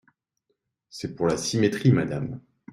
C’est pour la symétrie, madame.